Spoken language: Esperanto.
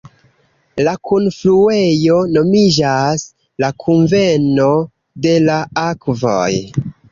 La kunfluejo nomiĝas "la kunveno de la akvoj".